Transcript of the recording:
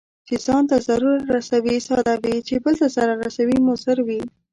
چي ځان ته ضرر رسوي، ساده وي، چې بل ته ضرر رسوي مضر وي.